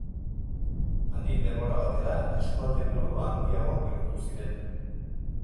Handik denbora batera eskualde buru handiago bihurtu ziren.